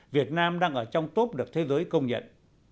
việt nam đang ở trong top được thế giới công nhận